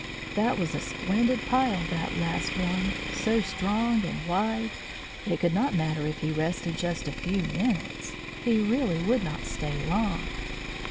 That was a splendid pile, that last one! So strong and wide. It could not matter if he rested just a few minutes. He really would not stay long.